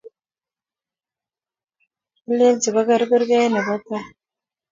Kialenchi koker kurget nebo tai